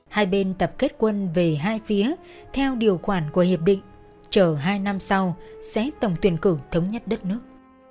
hai bên tập kết quân về hai phía theo điều khoản của hiệp định chờ hai năm sau sẽ tổng tuyển cử thống nhất đất nước